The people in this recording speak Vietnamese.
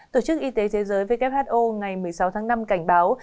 tổ chức y tế thế giới who ngày một mươi sáu tháng năm cảnh báo